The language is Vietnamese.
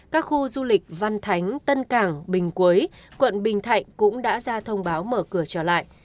các khu du lịch văn thánh tân cảng bình quế quận bình thạnh cũng đã ra thông báo mở cửa trở lại